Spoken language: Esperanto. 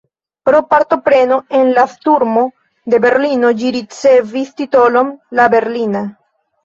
Pro partopreno en la sturmo de Berlino ĝi ricevis titolon «la Berlina».